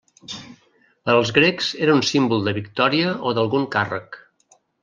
Per als grecs era un símbol de victòria o d'algun càrrec.